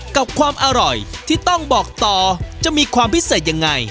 กับความอร่อยที่ต้องบอกต่อจะมีความพิเศษยังไง